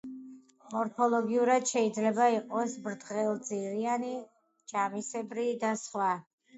მორფოლოგიურად შეიძლება იყოს ბრტყელძირიანი, ჯამისებრი და სხვა.